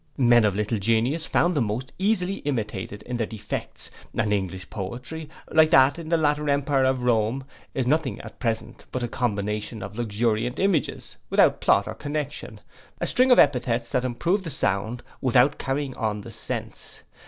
Men of little genius found them most easily imitated in their defects, and English poetry, like that in the latter empire of Rome, is nothing at present but a combination of luxuriant images, without plot or connexion; a string of epithets that improve the sound, without carrying on the sense.